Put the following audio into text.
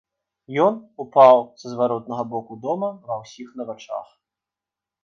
Ён упаў са зваротнага боку дома ва ўсіх на вачах.